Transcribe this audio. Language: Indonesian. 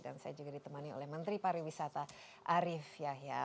dan saya juga ditemani oleh menteri pariwisata arief yahya